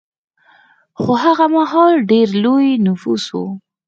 خو هغه مهال ډېر لوی نفوس و